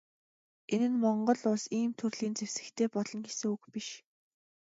Энэ нь Монгол Улс ийм төрлийн зэвсэгтэй болно гэсэн үг биш.